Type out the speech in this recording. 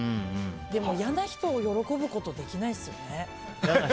でも嫌な人の喜ぶことできないですよね。